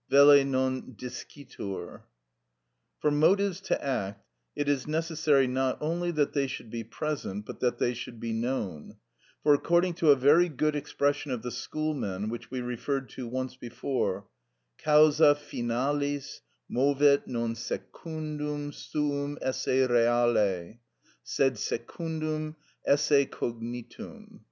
Velle non discitur. For motives to act, it is necessary not only that they should be present, but that they should be known; for, according to a very good expression of the schoolmen, which we referred to once before, causa finalis movet non secundum suum esse reale; sed secundum esse cognitum.